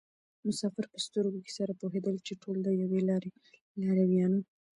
مسافر په سترګو کې سره پوهېدل چې ټول د یوې لارې لارویان وو.